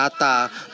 dan juga tidak terdata